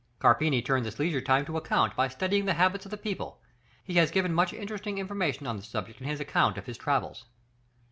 Carpini turned this leisure time to account by studying the habits of the people; he has given much interesting information on the subject in his account of his travels.